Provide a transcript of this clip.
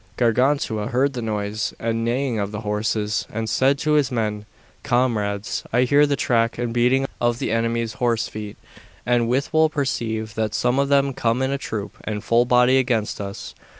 Gargantua heard the noise and neighing of the horses, and said to his men, Comrades, I hear the track and beating of the enemy's horse feet, and withal perceive that some of them come in a troop and full body against us.